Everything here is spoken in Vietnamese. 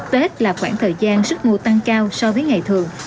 tết là khoảng thời gian sức mua tăng cao so với ngày thường